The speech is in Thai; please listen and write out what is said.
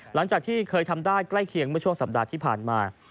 หลังจากที่เคยทำได้ใกล้เคียงเมื่อช่วงสัปดาห์ที่ผ่านมา